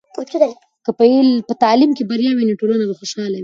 که په تعلیم کې بریا وي، نو ټولنه به خوشحاله وي.